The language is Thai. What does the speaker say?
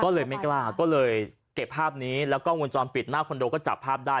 ก็เลยไม่กล้าก็เลยเก็บภาพนี้แล้วก็มูลจรปิดหน้าคอนโดก็จับภาพได้